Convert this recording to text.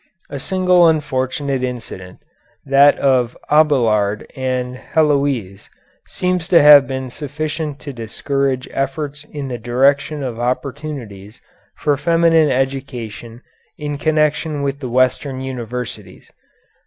A single unfortunate incident, that of Abélard and Héloïse, seems to have been sufficient to discourage efforts in the direction of opportunities for feminine education in connection with the Western universities.